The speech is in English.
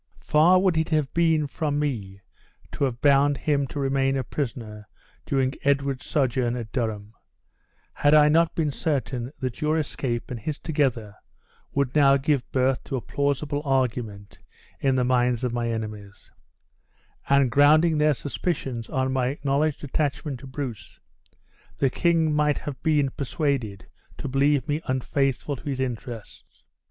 Far would it have been from me to have bound him to remain a prisoner during Edward's sojourn at Durham, had I not been certain that your escape and his together would now give birth to a plausible argument in the minds of my enemies; and, grounding their suspicions on my acknowledged attachment to Bruce, the king might have been persuaded to believe me unfaithful to his interests.